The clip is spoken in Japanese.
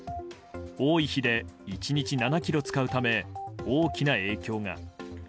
多い日で、１日７ｋｇ使うため大きな影響が。